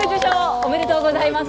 ありがとうございます。